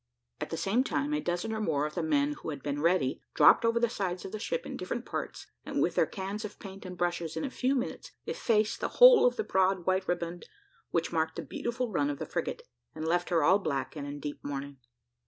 At the same time, a dozen or more of the men who had been ready, dropped over the sides of the ship in different parts, and with their cans of paint and brushes in a few minutes effaced the whole of the broad white riband which marked the beautiful run of the frigate, and left her all black and in deep mourning.